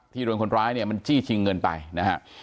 โดนคนร้ายเนี่ยมันจี้ชิงเงินไปนะฮะ